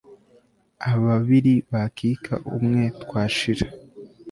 ababiri bakika umwe twashira